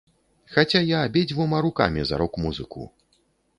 Хаця я абедзвюма рукамі за рок-музыку.